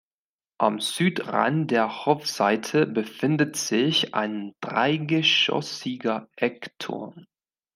Am Südrand der Hofseite befindet sich ein dreigeschossiger Eckturm.